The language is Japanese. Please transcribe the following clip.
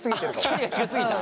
距離が近すぎた？